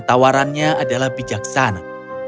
tawarannya adalah bijaksana